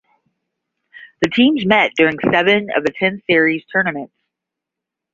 The teams met during seven of the ten Series tournaments.